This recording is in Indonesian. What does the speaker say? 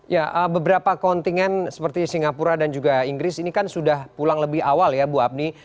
ya beberapa kontingen seperti singapura dan juga inggris ini kan sudah pulang lebih awal ya bu apni